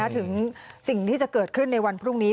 ถึงสิ่งที่จะเกิดขึ้นในวันพรุ่งนี้